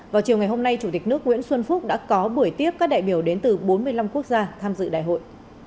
vào chiều ngày hôm nay chủ tịch nước nguyễn xuân phúc đã có buổi tiếp các đại biểu đến từ bốn mươi năm quốc gia tham dự đại hội